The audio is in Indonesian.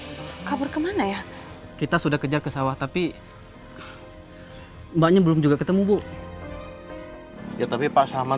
kabur kabur ke mana ya kita sudah kejar ke sawah tapi banyak belum juga ketemu bu ya tapi pak samad